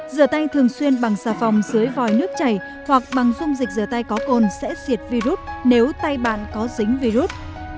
rửa tay thường xuyên bằng xà phòng dưới vòi nước chảy hoặc bằng dung dịch rửa tay có cồn sẽ diệt virus nếu tay bạn có dính virus